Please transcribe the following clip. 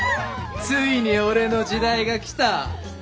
ついに俺の時代が来た。